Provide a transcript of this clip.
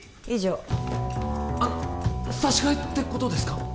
以上あの差し替えってことですか？